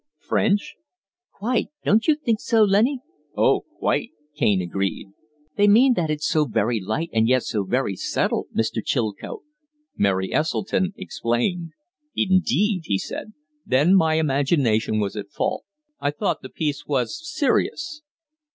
"French?" "Quite. Don't you think so, Lennie?" "Oh, quite," Kaine agreed. "They mean that it's so very light and yet so very subtle, Mr. Chilcote," Mary Esseltyn explained. "Indeed?" he said. "Then my imagination was at fault. I thought the piece was serious."